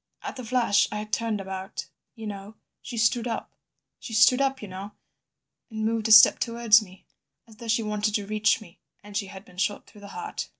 "At the flash I had turned about ... "You know—she stood up— "She stood up, you know, and moved a step towards me—as though she wanted to reach me— "And she had been shot through the heart."